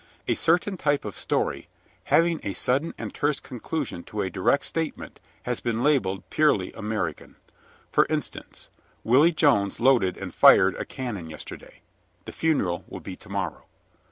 A certain type of story, having a sudden and terse conclusion to a direct statement, has been labeled purely American. For instance: "Willie Jones loaded and fired a cannon yesterday. The funeral will be to morrow."